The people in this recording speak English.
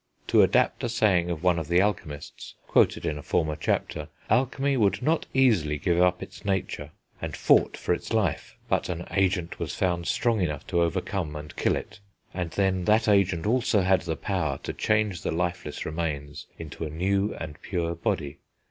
To adapt a saying of one of the alchemists, quoted in a former chapter; alchemy would not easily give up its nature, and fought for its life; but an agent was found strong enough to overcome and kill it, and then that agent also had the power to change the lifeless remains into a new and pure body.